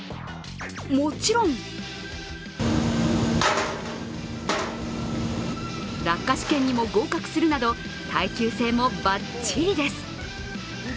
もちろん落下試験にも合格するなど耐久性もバッチリです。